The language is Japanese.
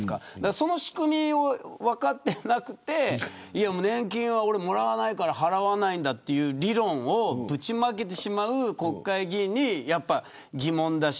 その仕組みを分かってなくて年金は俺は、もらわないから払わないという理論をぶちまけてしまう国会議員にやっぱり疑問だし。